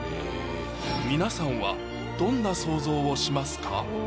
皆さんはどんな想像をしますか？